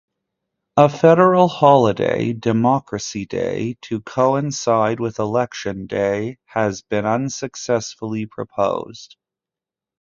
A federal holiday, Democracy Day, to coincide with Election Day has been unsuccessfully proposed.